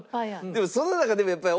でもその中でもやっぱり。